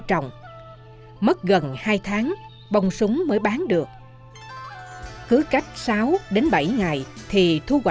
trồng bông súng cũng rất khó khăn nhưng người dân ở lung ngọc hoàng chỉ chuyên trồng một loại hoa súng tím